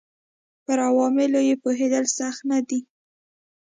پر عواملو یې پوهېدل سخت نه دي.